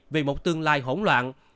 về một tương lai hỗn loạn